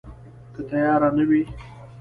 که تیاره نه وي